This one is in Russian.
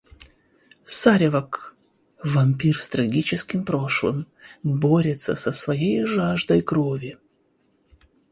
Саревок, вампир с трагическим прошлым, борется со своей жаждой крови.